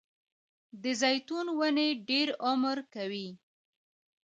د زیتون ونې ډیر عمر کوي